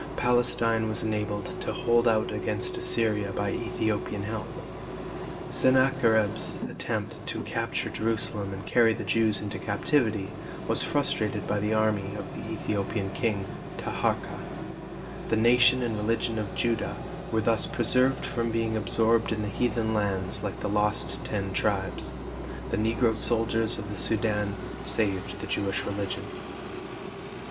Palestine was enabled to hold out against Assyria by Ethiopian help. Sennacherib's attempt to capture Jerusalem and carry the Jews into captivity, was frustrated by the army of the Ethiopian king, Taharka. The nation and religion of Judah were thus preserved from being absorbed in heathen lands like the lost Ten Tribes. The Negro soldiers of the Sudan saved the Jewish religion.